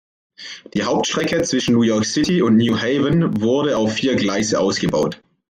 Die Hauptstrecke zwischen New York City und New Haven wurde auf vier Gleise ausgebaut.